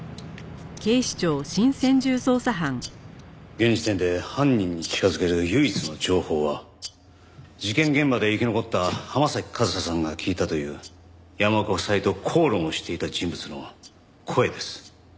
現時点で犯人に近づける唯一の情報は事件現場で生き残った浜崎和沙さんが聞いたという山岡夫妻と口論をしていた人物の声です。